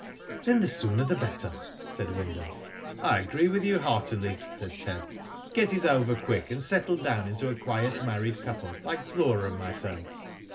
"Then the sooner the better," said Wyndham. " I agree with you, heartily," said Ted. " Get it over quick, and settle down into a quiet married couple, like Flora and myself."